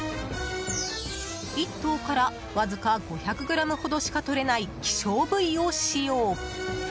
１頭からわずか５００ｇほどしかとれない希少部位を使用。